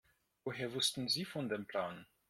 Woher wussten Sie von dem Plan?